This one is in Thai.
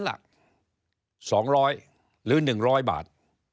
ละ๒๐๐หรือ๑๐๐บาท